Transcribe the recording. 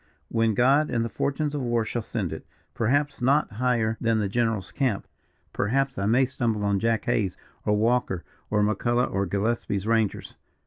"When God and the fortunes of war shall send it. Perhaps not higher than the general's camp perhaps I may stumble on Jack Hays, or Walker, or McCulloch, or Gillespie's rangers.